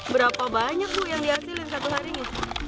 berapa banyak bu yang dihasilkan satu hari nih